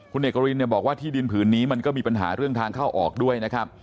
คุณเอกรินเนี่ยบอกว่าที่ดินผืนนี้มันก็มีปัญหาเรื่องทางเข้าออกด้วยนะครับ